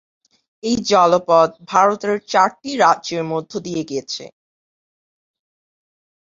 এই জলপথ ভারতের চারটি রাজ্যের মধ্যদিয়ে গেছে।